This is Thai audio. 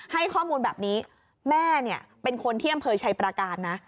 ให้ข้อมูลแบบนี้แม่เนี่ยเป็นคนที่อำเภอชัยประการนะ